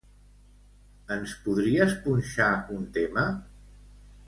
Ens podries punxar un tema?